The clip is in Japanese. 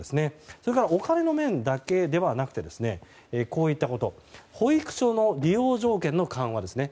それからお金の面だけではなくて保育所の利用条件の緩和ですね。